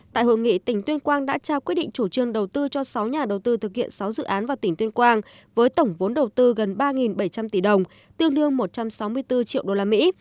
tại hội nghị tỉnh tuyên quang đã trao quyết định chủ trương đầu tư cho sáu nhà đầu tư thực hiện sáu dự án vào tỉnh tuyên quang với tổng vốn đầu tư gần ba bảy trăm linh tỷ đồng tương đương một trăm sáu mươi bốn triệu đô la mỹ